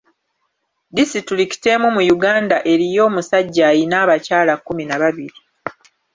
Disitulikiti emu mu Uganda eriyo omusajja ayina abakyala kkumi na babiri.